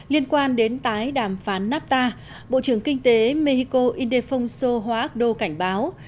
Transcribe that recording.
liên quan đến tái đàm phán nafta bộ trưởng kinh tế mexico indefonso huardo cảnh báo